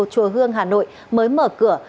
chùa hương hà nội mới mở cửa